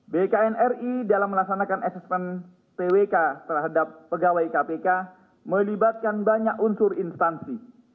bkn ri dalam melaksanakan asesmen twk terhadap pegawai kpk melibatkan banyak unsur instansi